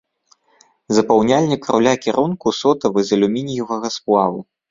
Запаўняльнік руля кірунку сотавы з алюмініевага сплаву.